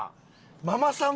ママさん